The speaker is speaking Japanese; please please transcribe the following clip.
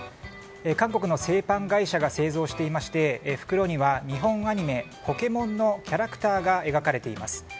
韓国の製パン会社が製造していまして袋には日本アニメ「ポケモン」のキャラクターが描かれています。